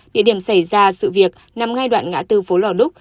địa điểm xảy ra sự việc nằm ngay đoạn ngã tư phố lò đúc